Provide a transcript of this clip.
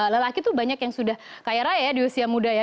lelaki tuh banyak yang sudah kaya raya ya di usia muda ya